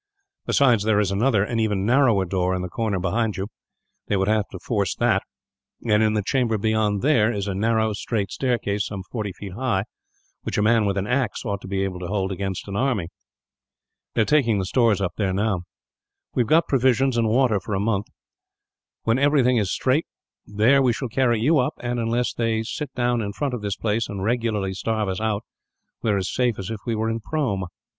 "Besides, there is another, and even narrower door, in the corner behind you. They would have to force that; and in the chamber beyond there is a narrow, straight staircase, some forty feet high, which a man with an axe ought to be able to hold against an army. They are taking the stores up there, now. We have got provisions and water for a month. When everything is straight, there we shall carry you up and, unless they sit down in front of this place and regularly starve us out, we are as safe as if we were in Prome."